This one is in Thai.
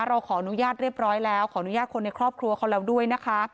เราขออนุญาตเรียบร้อยแล้วขออนุญาตคนในครอบครัวเขาแล้วด้วยนะคะ